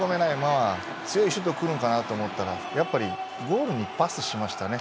強いシュートが来ると思ったらやっぱり、ゴールにパスしました。